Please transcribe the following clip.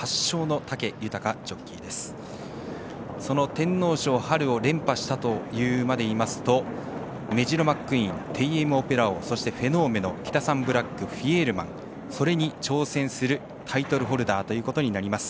天皇賞を連覇したという馬でいいますとメジロマックイーンテイエムオペラオーそして、フェノーメノキタサンブラックフィエールマン、それに挑戦するタイトルホルダーということになります。